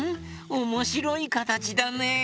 おもしろいかたちだね。